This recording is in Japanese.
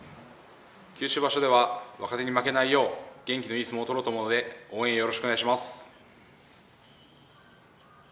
九州場所では若手に負けないよう元気のいい相撲を取ろうと思うので応援、よろしくお願いします。